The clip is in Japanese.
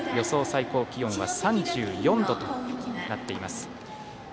最高気温は３４度となっています。